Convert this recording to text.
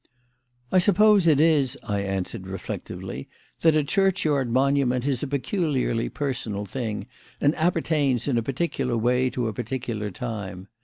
"I suppose it is," I answered reflectively, "that a churchyard monument is a peculiarly personal thing and appertains in a peculiar way to a particular time.